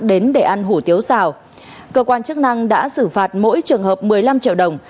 đến để ăn hủ tiếu xào cơ quan chức năng đã xử phạt mỗi trường hợp một mươi năm triệu đồng